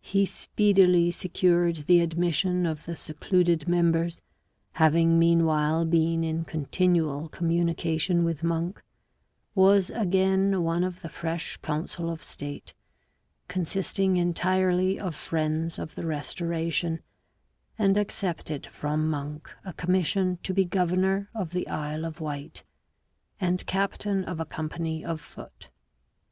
He speedily secured the admission of the secluded members, having mean while been in continual communication with Monk, was again one of the fresh council of state, consisting entirely of friends of the Restoration, and accepted from Monk a commission to be governor of the Isle of Wight and captain of a company of foot.